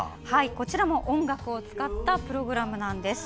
こちらも音楽を使ったプログラムなんです。